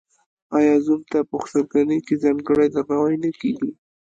آیا زوم ته په خسرګنۍ کې ځانګړی درناوی نه کیږي؟